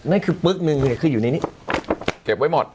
นั่นคือปึ๊กนึงเนี่ยคืออยู่ในนี้เก็บไว้หมด